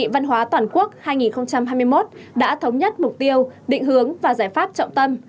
văn hóa toàn quốc hai nghìn hai mươi một đã thống nhất mục tiêu định hướng và giải pháp trọng tâm